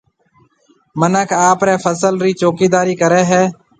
منک آپرَي فصل رِي چوڪيِدارِي ڪرَي ھيََََ